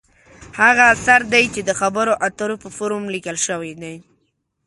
هغه اثر دی چې د خبرو اترو په فورم لیکل شوې وي.